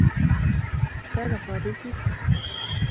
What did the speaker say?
كان فاضل في حفل.